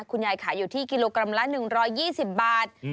ขายอยู่ที่กิโลกรัมละ๑๒๐บาท